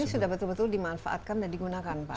dan ini sudah betul betul dimanfaatkan dan digunakan pak